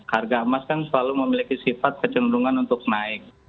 harga emas kan selalu memiliki sifat kecenderungan untuk naik